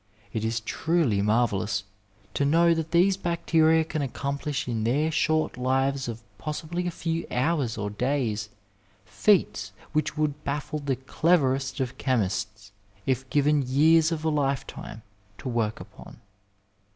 It is truly marvellous to know that these bacteria can accomplish in their short lives of possibly a few hours or days feats which would baffle the cleverest of chemists if given years of a lifetime to work upon.